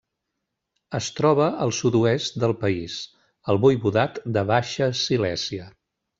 Es troba al sud-oest del país, al voivodat de Baixa Silèsia.